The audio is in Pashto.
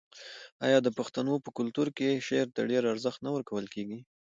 آیا د پښتنو په کلتور کې شعر ته ډیر ارزښت نه ورکول کیږي؟